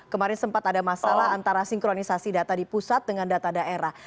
kemarin sempat ada masalah antara sinkronisasi data di pusat dengan data daerah